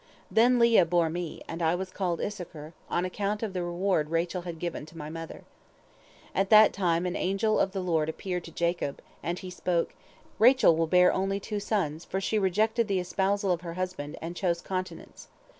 "Then Leah bore me, and I was called Issachar, on account of the reward Rachel had given to my mother. At that time an angel of the Lord appeared to Jacob, and he spoke: 'Rachel will bear only two sons, for she rejected the espousal of her husband, and chose continence!